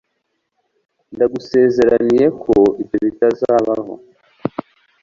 ndagusezeranije ko ibyo bitazabaho